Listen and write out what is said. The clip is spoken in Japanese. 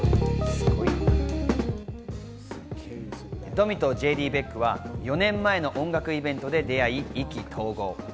ドミとＪＤ・ベックは４年前の音楽イベントで出会い意気投合。